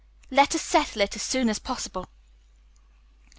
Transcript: "Let us settle it as soon as possible."